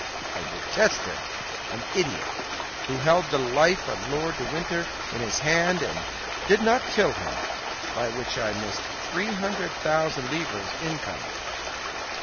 I detest him! An idiot, who held the life of Lord de Winter in his hands and did not kill him, by which I missed three hundred thousand livres' income."